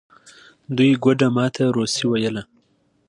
دوی ګوډه ما ته روسي ویله.